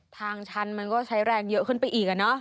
ทางชันมันก็ใช้แรงเยอะขึ้นไปอีก